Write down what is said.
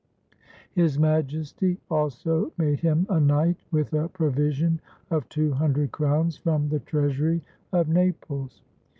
His Majesty also made him a knight, with a provision of two hundred crowns from the treasury of Naples.